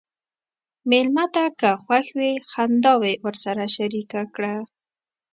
مېلمه ته که خوښ وي، خنداوې ورسره شریکه کړه.